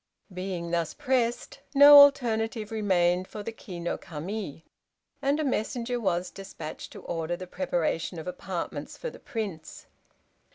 Being thus pressed, no alternative remained for the Ki no Kami, and a messenger was despatched to order the preparation of apartments for the Prince.